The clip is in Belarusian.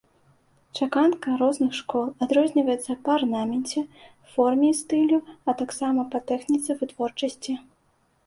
Чаканка розных школ адрозніваецца па арнаменце, форме і стылю, а таксама па тэхніцы вытворчасці.